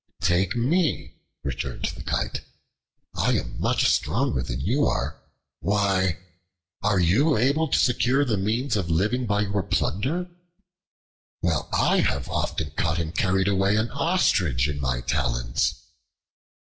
"Take me," returned the Kite, "I am much stronger than you are." "Why, are you able to secure the means of living by your plunder?" "Well, I have often caught and carried away an ostrich in my talons."